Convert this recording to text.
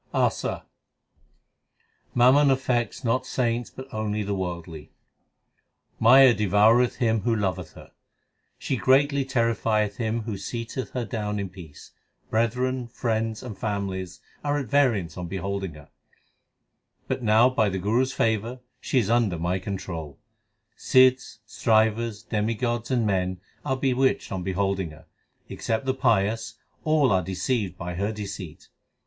ASA Mammon affects not saints but only the worldly : Maya devoureth him who loveth her ; She greatly terrifieth him who seateth her down in peace. Brethren, friends, and families are at variance on beholding her ; But now by the Guru s favour she is under my control. Sidhs, Strivers, demigods, and men Are bewitched on beholding her ; except the pious all are deceived by her deceit.